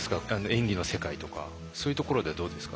演技の世界とかそういうところではどうですか？